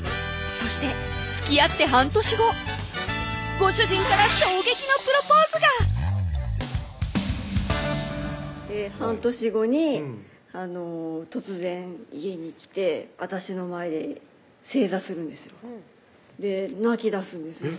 そしてつきあって半年後ご主人から衝撃のプロポーズが半年後に突然家に来て私の前で正座するんですよで泣きだすんですよ